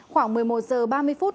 khoảng một mươi một h ba mươi phút